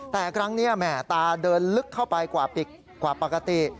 แต่ครั้งนี้แหม่ตาเดินลึกเข้าไปกว่าปกติ